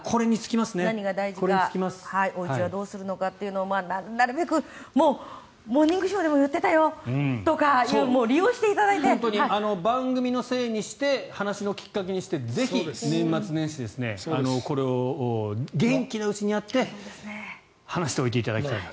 何が大事かおうちはどうするのかというのをなるべく「モーニングショー」でも言ってたよとか本当に番組のせいにして話のきっかけにしてぜひ年末年始にこれを元気なうちにやって話しておいていただきたいと。